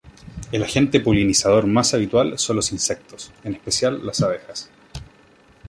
El agente polinizador más habitual son los insectos, en especial abejas.